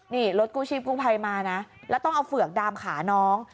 นี่รถกู้ชีพกู้ภัยมานะแล้วต้องเอาเฝือกดามขาน้อง